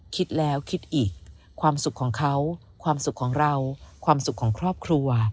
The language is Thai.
คิดแล้วคิดอีกความสุขของเขาความสุขของเราความสุขของครอบครัว